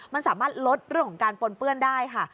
มันสามารถลดเรื่องของการปนเปื้อนได้ค่ะ